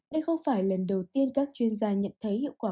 đây không phải lần đầu tiên các chuyên gia nhận thấy hiệu quả